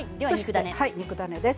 肉ダネです。